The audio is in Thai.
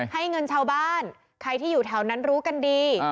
ให้เงินชาวบ้านใครที่อยู่แถวนั้นรู้กันดี